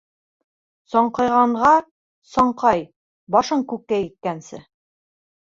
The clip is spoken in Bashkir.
Саңҡайғанға саңҡай, башың күккә еткәнсе;